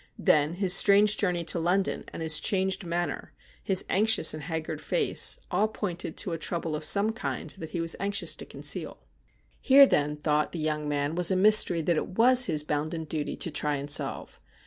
Then his strange journey to London, and his changed manner, his anxious and haggard face, all pointed to a trouble of some kind that e was anxious to conceal. 266 STORIES WEIRD AND WONDERFUL Here, then, thought the young man, was a mystery that it was his bounden duty to try and solve.